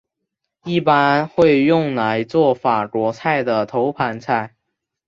一般会用来作法国菜的头盘菜。